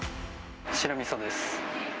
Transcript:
白みそです。